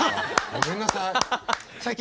ごめんなさい。